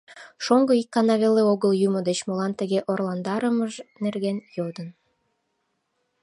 Шоҥго ик гана веле огыл Юмо деч молан тыге орландарымыж нерген йодын.